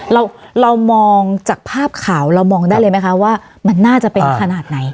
เราเรามองจากภาพข่าวเรามองได้เลยไหมคะว่ามันน่าจะเป็นขนาดไหน